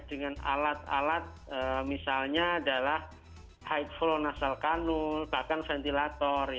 dengan alat alat misalnya adalah high flow nasal cannula bahkan ventilator ya